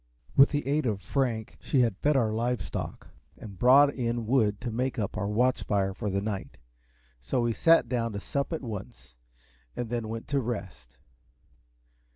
With the aid of Frank she had fed our live stock and brought in wood to make up our watch fire for the night, so we sat down to sup at once, and then went to rest.